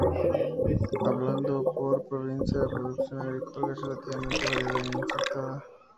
Hablando por provincia, la producción agrícola es relativamente variada e insertada.